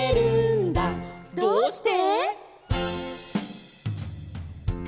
「どうして？」